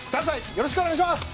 よろしくお願いします！